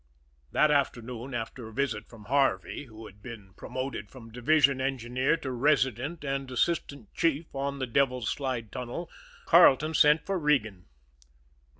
That afternoon, after a visit from Harvey, who had been promoted from division engineer to resident and assistant chief on the Devil's Slide tunnel, Carleton sent for Regan.